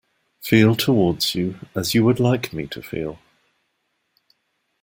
Feel towards you as you would like me to feel.